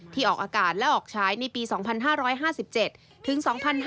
ที่ออกอาการและออกใช้ในปี๒๕๕๗ถึง๒๕๕๘